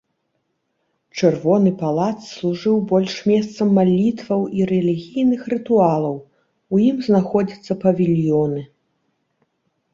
Чырвоны палац служыў больш месцам малітваў і рэлігійных рытуалаў, у ім знаходзяцца павільёны.